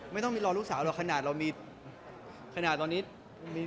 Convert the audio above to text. ไม่ต้องรอลูกสาวขนาดตอนนี้